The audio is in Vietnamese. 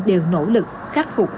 đều nỗ lực khắc phục